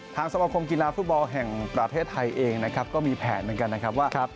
ทางสมัครคมกีฬาฟุตบอลแห่งประเทศไทยเองก็มีแผนเหมือนกัน